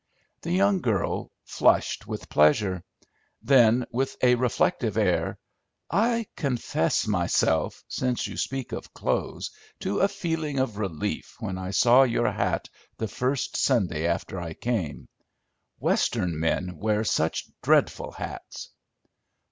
The young girl flushed with pleasure; then, with a reflective air: "I confess myself, since you speak of clothes, to a feeling of relief when I saw your hat the first Sunday after I came. Western men wear such dreadful hats."